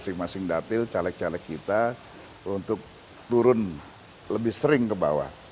masing masing dapil caleg caleg kita untuk turun lebih sering ke bawah